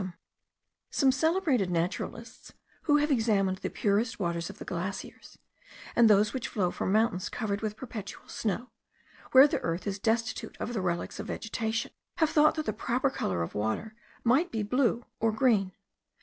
Some celebrated naturalists, who have examined the purest waters of the glaciers, and those which flow from mountains covered with perpetual snow, where the earth is destitute of the relics of vegetation, have thought that the proper colour of water might be blue, or green.